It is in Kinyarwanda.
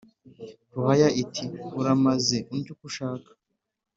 » ruhaya iti « uramaze undye uko ushaka,